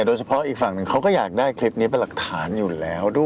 โดยเฉพาะอีกฝั่งหนึ่งเขาก็อยากได้คลิปนี้เป็นหลักฐานอยู่แล้วด้วย